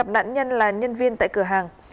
nạn nhân là nhân viên tại cửa hàng